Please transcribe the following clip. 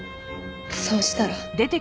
そうしたら。